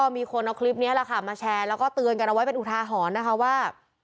มีคนเอาคลิปนี้แหละค่ะมาแชร์แล้วก็เตือนกันเอาไว้เป็นอุทาหรณ์นะคะว่า